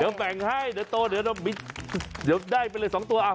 เดี๋ยวแบ่งให้เดี๋ยวโตเดี๋ยวได้ไปเลย๒ตัว